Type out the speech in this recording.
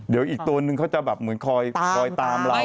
เดี๋ยวอีกตัวนึงเขาจะแบบเหมือนคอยตามเรา